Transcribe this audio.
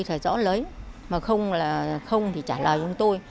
phải rõ lấy mà không thì trả lời chúng tôi